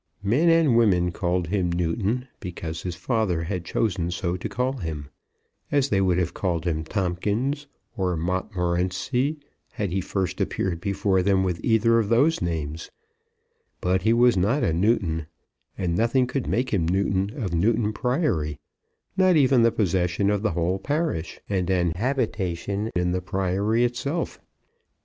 Men and women called him Newton, because his father had chosen so to call him; as they would have called him Tomkins or Montmorenci, had he first appeared before them with either of those names; but he was not a Newton, and nothing could make him Newton of Newton Priory, not even the possession of the whole parish, and an habitation in the Priory itself.